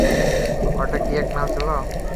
ওটা কি এডগার ছিল?